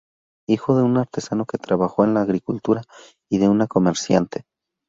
Hijo de un artesano que trabajó en la agricultura y de una comerciante.